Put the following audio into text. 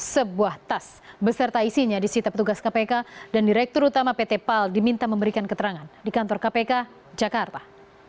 sebuah tas beserta isinya disita petugas kpk dan direktur utama pt pal diminta memberikan keterangan di kantor kpk jakarta